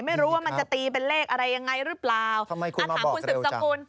ไม่รู้ว่ามันจะตีเป็นเลขอะไรยังไงหรือเปล่าทำไมคุณอ่ะถามคุณสืบสกุล